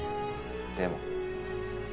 でも。